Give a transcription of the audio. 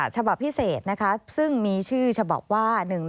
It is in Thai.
ฉบับพิเศษนะคะซึ่งมีชื่อฉบับว่า